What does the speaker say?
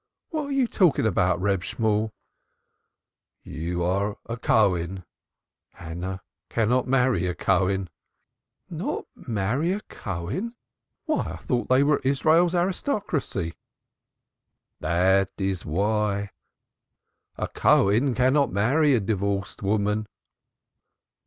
"What are you talking about. Reb Shemuel?" "You are a Cohen. Hannah cannot marry a Cohen." "Not marry a Cohen? Why, I thought they were Israel's aristocracy." "That is why. A Cohen cannot marry a divorced woman."